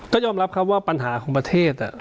ก็ยอมรับครับว่าปัญหาของประเทศ